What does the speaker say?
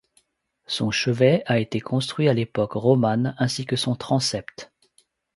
Son chevet a été construit à l'époque romane, ainsi que son transept.